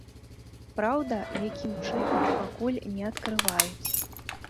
Праўда, якім чынам, пакуль не адкрываюць.